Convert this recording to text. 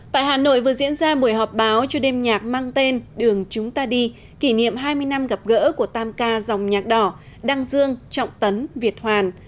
tại hà nội vừa diễn ra buổi họp báo cho đêm nhạc mang tên đường chúng ta đi kỷ niệm hai mươi năm gặp gỡ của tam ca dòng nhạc đỏ đăng dương trọng tấn việt hoàn